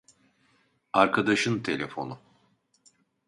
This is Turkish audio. Arkadaşın telefonu